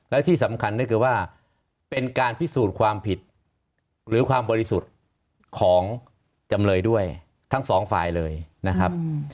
และที่สำคัญก็คือว่าเป็นการพิสูจน์ความผิดหรือความบริสุทธิ์ของจำเลยด้วยทั้งสองฝ่ายเลยนะครับ